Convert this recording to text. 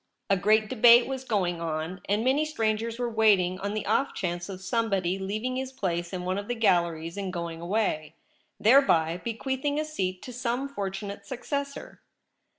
A great debate was going on, and many strangers were waiting on the off chance of somebody leaving his place in one of the galleries and going away, thereby bequeathing a seat to some fortunate successor.